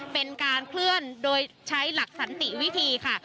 เป็นการเคลื่อนโดยใช้หลักสันติวิธีค่ะ